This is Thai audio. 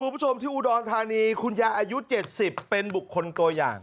คุณผู้ชมที่อุดรธานีคุณยายอายุ๗๐เป็นบุคคลตัวอย่าง